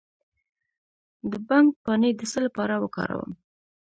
د بنګ پاڼې د څه لپاره وکاروم؟